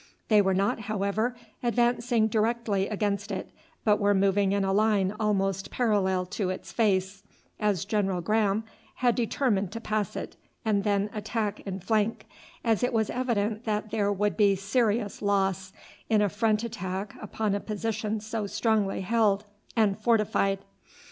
They were not, however, advancing directly against it, but were moving in a line almost parallel to its face, as General Graham had determined to pass it and then attack in flank, as it was evident that there would be serious loss in a front attack upon a position so strongly held and fortified.